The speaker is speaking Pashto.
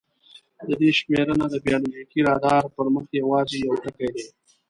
د دې شمېرنه د بایولوژیکي رادار پر مخ یواځې یو ټکی دی.